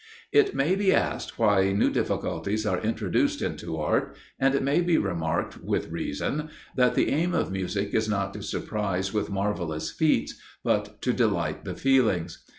It may be asked why new difficulties are introduced into art; and it may be remarked, with reason, that the aim of music is not to surprise with marvellous feats, but to delight the feelings.